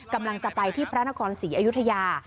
กำลังจะไปที่พระนครศรีอยุธยา